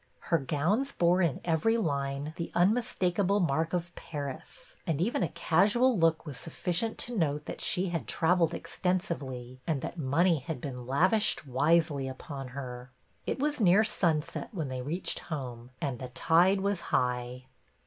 Her gowns bore in every line the unmistakable mark of Paris, and even a casual look was sufficient to note that she had traveled extensively, and that money had been lavished wisely upon her. It was near sunset when they reached home, and the tide was high.